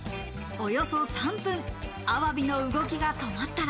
およそ３分、アワビの動きが止まったら。